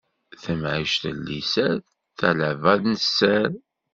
Tamɛict n liser, talaba n sser.